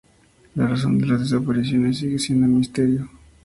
La razón de las desapariciones sigue siendo un misterio.